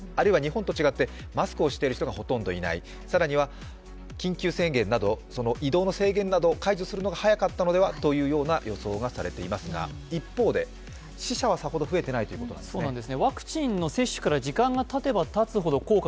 あるいは日本と違ってマスクをしている人がほとんどいない、更には緊急事態宣言解除など移動の制限を解除するのが早かったのでは？と予想されていますが、一方で、死者はさほど増えていないということなんですね。